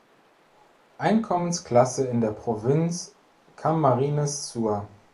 Einkommensklasse in der Provinz Camarines Sur.